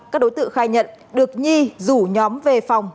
các đối tượng khai nhận được nhi rủ nhóm về phòng